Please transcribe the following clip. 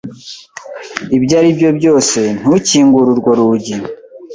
Ibyo ari byo byose, ntukingure urwo rugi.